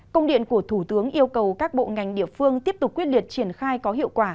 công điện của thủ tướng yêu cầu các bộ ngành địa phương tiếp tục quyết liệt triển khai có hiệu quả